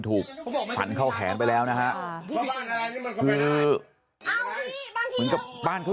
สูดสุดเลยโทรเลยมึงวางมีดเลยมึงโทรเลยมึงเอาตัวตัวกลัว